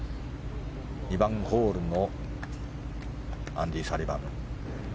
２番ホールのアンディ・サリバン。